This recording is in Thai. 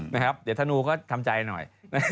เดี๋ยวธนูก็ทำใจหน่อย